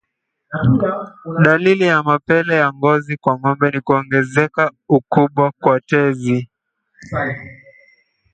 Dalili ya mapele ya ngozi kwa ngombe ni kuongezeka ukubwa kwa tezi